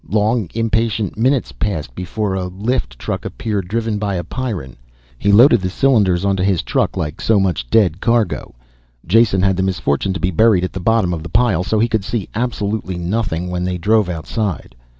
Long, impatient minutes passed before a lift truck appeared driven by a Pyrran. He loaded the cylinders onto his truck like so much dead cargo. Jason had the misfortune to be buried at the bottom of the pile so he could see absolutely nothing when they drove outside.